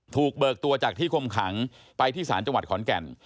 เบิกตัวจากที่คุมขังไปที่ศาลจังหวัดขอนแก่น